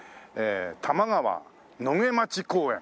玉川野毛町公園。